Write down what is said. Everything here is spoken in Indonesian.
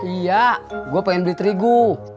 iya gue pengen beli terigu